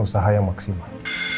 usaha yang maksimal